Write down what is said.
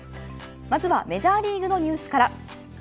まずはメジャーリーグのニュースから。